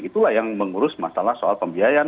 itulah yang mengurus masalah soal pembiayaan